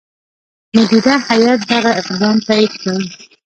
مدیره هیات دغه اقدام تایید کړ.